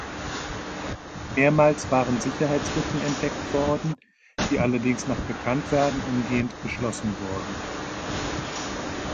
Mehrmals waren Sicherheitslücken entdeckt worden, die allerdings nach Bekanntwerden umgehend geschlossen wurden.